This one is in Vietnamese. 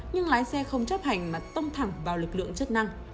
nhưng lái xe không chấp hành mà tông thẳng vào lực lượng chức năng